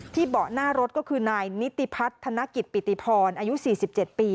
เบาะหน้ารถก็คือนายนิติพัฒนกิจปิติพรอายุ๔๗ปี